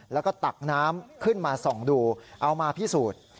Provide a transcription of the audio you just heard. แล้วก็ตักน้ำขึ้นมาส่องดูเอามาพิสูจน์